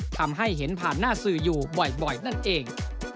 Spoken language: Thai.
ทำให้เห็นผ่านหน้าสื่ออยู่บ่อยนั่นเอง